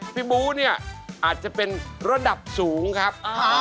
บู๊เนี่ยอาจจะเป็นระดับสูงครับ